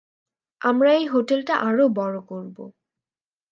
আমরা এই হোটেলটা আরো বড় করবো।